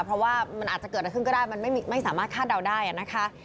เพราะว่ามันอาจจะเกิดอะไรขึ้นก็ได้มันไม่สามารถคาดเดาได้นะคะ